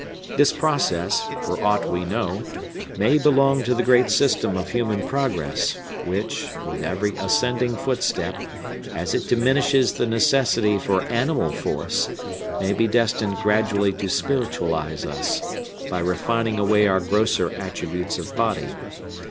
This process, for aught we know, may belong to the great system of human progress, which, with every ascending footstep, as it diminishes the necessity for animal force, may be destined gradually to spiritualize us, by refining away our grosser attributes of body.